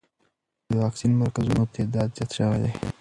د واکسین مرکزونو تعداد زیات شوی دی.